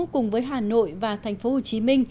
cùng với hà nội và tp hcm